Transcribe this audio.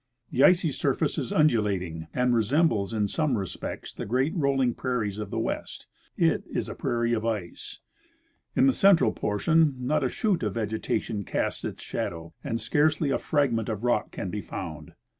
The icy surface is undulating, and resembles in some respects the great rolling prairies of the west ; it is a prairie of ice. In the central portion not a shoot of vegetation casts its shadow, and scarcely a fragment of rock can be found.